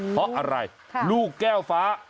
เพราะอะไรลูกแก้วฟ้า